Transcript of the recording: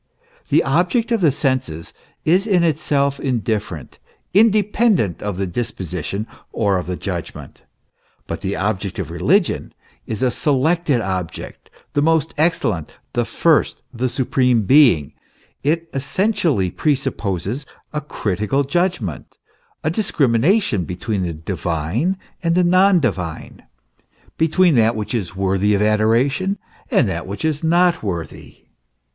"* The object of the senses is in itself indifferent independent of the disposition or of the judgment; but the object of religion is a selected object; the most excellent, the first, the supreme being ; it essentially pre supposes a critical judgment, a discrimination between the divine and the non divine, between that which is worthy of adoration and that which is not worthy.